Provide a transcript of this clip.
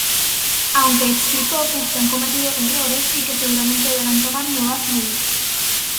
Aunque explicó que se han cometido errores y que seguramente deberán tomar nuevas medidas.